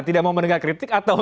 tidak mau mendengar kritik atau